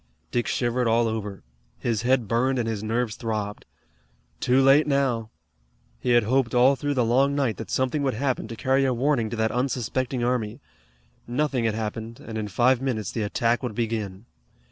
Dick shivered all over. His head burned and his nerves throbbed. Too late now! He had hoped all through the long night that something would happen to carry a warning to that unsuspecting army. Nothing had happened, and in five minutes the attack would begin.